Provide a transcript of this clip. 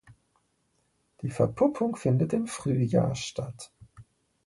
Die Verpuppung findet im Frühjahr statt.